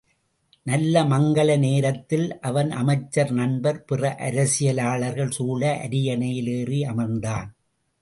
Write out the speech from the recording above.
நல்ல மங்கல நேரத்தில் அவன் அமைச்சர், நண்பர், பிற அரசியலாளர்கள் சூழ அரியணையில் ஏறி அமர்ந்தான்.